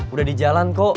udah di jalan kok